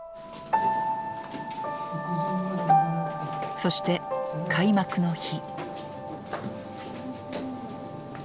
そして開幕の日。